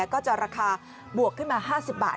ก็จะราคาบวกขึ้นมา๕๐บาท